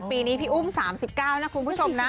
ปีนี้พี่อุ้ม๓๙นะคุณผู้ชมนะ